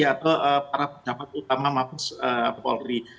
atau para pejabat utama mabes polri